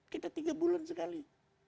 kita tiga bulan sekali